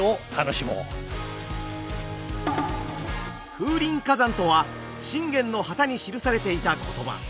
「風林火山」とは信玄の旗に記されていた言葉。